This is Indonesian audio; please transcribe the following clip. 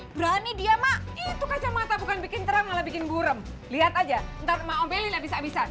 berani dia maka itu kacamata bukan bikin terang ala bikin burem lihat aja ntar omelin abis abisan